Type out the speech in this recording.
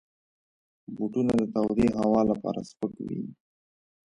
بوټونه د تودې هوا لپاره سپک وي.